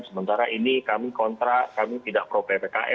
sementara ini kami kontra kami tidak pro ppkm ppkm jelek apa segala macam